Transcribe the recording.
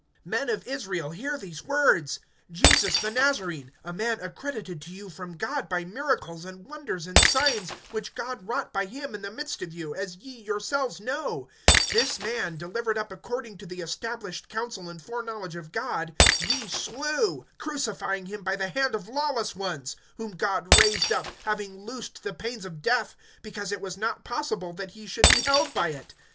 (22)Men of Israel, hear these words! Jesus the Nazarene, a man accredited to you from God by miracles, and wonders, and signs, which God wrought by him in the midst of you, as ye yourselves know; (23)this man, delivered up according to the established counsel and foreknowledge of God, ye slew, crucifying him by the hand of lawless ones; (24)whom God raised up, having loosed the pains of death; because it was not possible that he should be held by it.